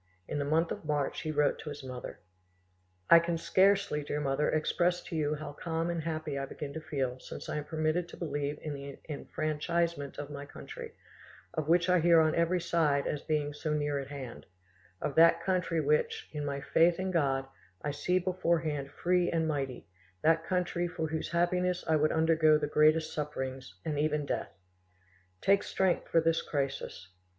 In the month of March he wrote to his mother:— "I can scarcely, dear mother, express to you how calm and happy I begin to feel since I am permitted to believe in the enfranchisement of my country, of which I hear on every side as being so near at hand,—of that country which, in my faith in God, I see beforehand free and mighty, that country for whose happiness I would undergo the greatest sufferings, and even death. Take strength for this crisis.